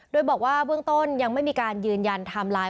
โดยบอกว่าเบื้องต้นยังไม่มีการยืนยันไทม์ไลน์